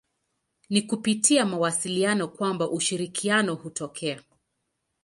Ni kupitia mawasiliano kwamba ushirikiano hutokea.